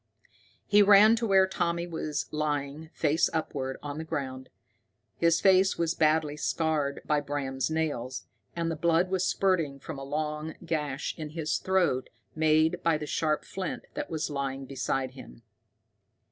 He ran to where Jimmy was lying, face upward, on the ground. His face was badly scarred by Bram's nails, and the blood was spurting from a long gash in his throat, made by the sharp flint that was lying beside him.